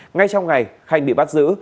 ngay trong ngày khanh bị bắt giữ